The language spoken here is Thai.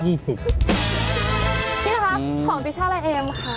นี่นะครับของพิชาและเอมค่ะ